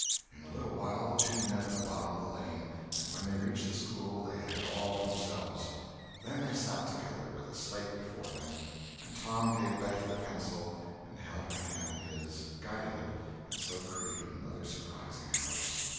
In a little while the two met at the bottom of the lane, and when they reached the school they had it all to themselves. Then they sat together, with a slate before them, and Tom gave Becky the pencil and held her hand in his, guiding it, and so created another surprising house.